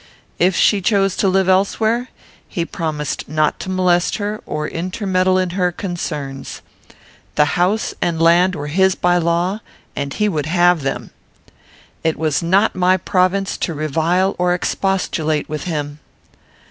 If she chose to live elsewhere, he promised not to molest her, or intermeddle in her concerns. The house and land were his by law, and he would have them. It was not my province to revile or expostulate with him.